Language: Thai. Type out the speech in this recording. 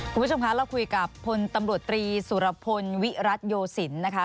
คุณผู้ชมคะเราคุยกับพลตำรวจตรีสุรพลวิรัตโยสินนะคะ